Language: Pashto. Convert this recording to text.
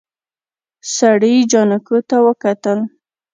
سړي جانکو ته وکتل.